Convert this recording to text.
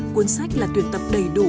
cuốn sách là tuyển tập đầy đủ